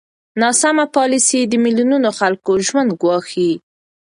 ناسمه پالېسي د میلیونونو خلکو ژوند ګواښي.